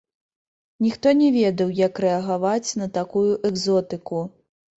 Ніхто не ведаў, як рэагаваць на такую экзотыку.